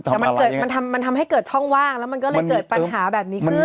แต่มันทำให้เกิดช่องว่างแล้วมันก็เลยเกิดปัญหาแบบนี้ขึ้น